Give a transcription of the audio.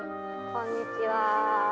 こんにちは。